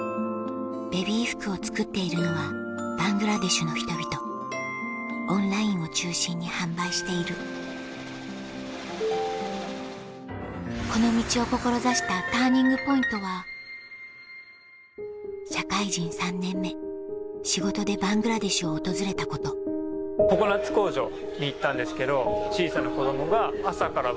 ベビー服を作っているのはバングラデシュの人々オンラインを中心に販売しているこの道を志したＴＵＲＮＩＮＧＰＯＩＮＴは社会人３年目仕事でバングラデシュを訪れたことココナッツ工場に行ったんですけど。